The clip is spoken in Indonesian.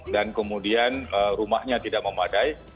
dan kemudian rumahnya tidak memadai